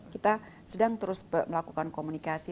kita sedang terus melakukan komunikasi